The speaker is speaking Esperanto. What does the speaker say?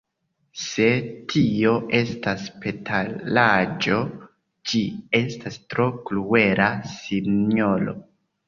Se tio estas petolaĵo, ĝi estas tro kruela, sinjoro.